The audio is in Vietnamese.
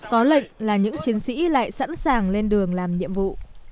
có lệnh là những chiến sĩ lại sẵn sàng lên đường làm nhiệm vụ